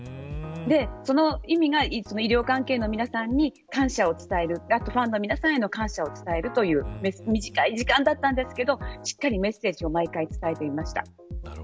その意味が医療関係の皆さんに感謝を伝えるファンの皆さんへの感謝を伝えるという、短い時間でしたがしっかりメッセージを毎回伝えていました。